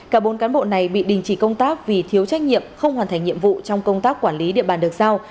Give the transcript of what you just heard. cả bốn cán bộ này bị đình chỉ công tác vì thiếu trách nhiệm không hoàn thành nhiệm vụ trong công tác quản lý địa bàn được giao